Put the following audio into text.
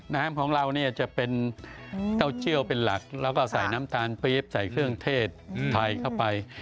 น้ำของเราเนี่ยจะเป็นเต้าเจี่ยวเป็นหลักแล้วก็ใส่น้ำตาลปี๊บใส่เครื่องเทศไทยเข้าไป